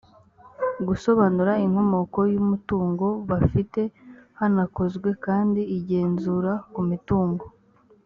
gusobanura inkomoko y umutungo bafite hanakozwe kandi igenzura ku mitungo